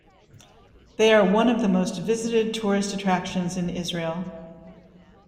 They are one of the most visited tourist attractions in Israel.